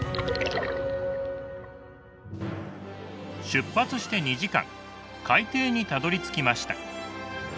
出発して２時間海底にたどりつきました。